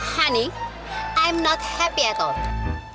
honey aku gak senang sama sekali